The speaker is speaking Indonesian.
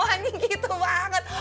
ketawanya gitu banget